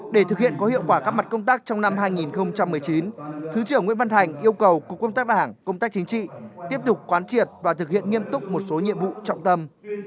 để thực hiện có hiệu quả các mặt công tác trong năm hai nghìn một mươi chín thứ trưởng nguyễn văn thành yêu cầu cục công tác đảng công tác chính trị tiếp tục quán triệt và thực hiện nghiêm túc một số nhiệm vụ trọng tâm